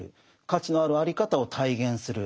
価値のあるあり方を体現する。